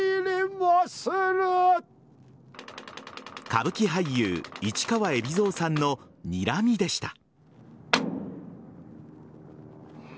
歌舞伎俳優・市川海老蔵さんのにらみでした。